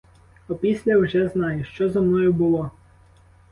Опісля вже знаєш, що зо мною було.